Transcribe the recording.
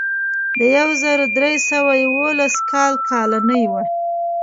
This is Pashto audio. د یو زر درې سوه یوولس کال کالنۍ وه.